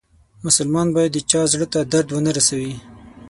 مسلمان باید د چا زړه ته درد و نه روسوي.